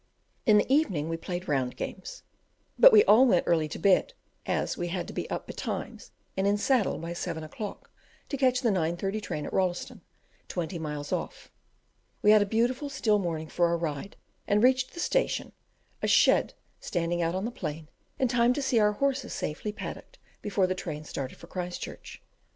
In the evening we played round games. But we all went early to bed, as, we had to be up betimes, and in the saddle by seven o'clock, to catch the 9 30 train at Rolleston; twenty miles off. We had a beautiful, still morning for our ride, and reached the station a shed standing out on the plain in time to see our horses safely paddocked before the train started for Christchurch.